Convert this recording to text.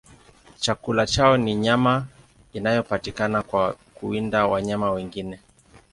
Chakula chao ni nyama inayopatikana kwa kuwinda wanyama wengine.